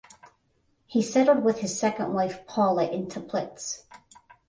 He settled with his second wife Paula in Teplitz.